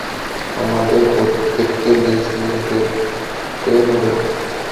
আমাদের প্রত্যেককে নিজে নিজে দেখতে হবে।